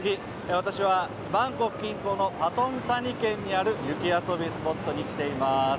私は、バンコク近郊のパトゥタニ県にある雪遊びスポットに来ています。